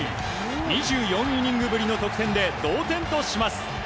２４イニングぶりの得点で同点とします。